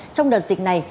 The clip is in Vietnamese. trong đợt dịch này